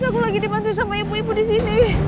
aku lagi dibantu sama ibu ibu disini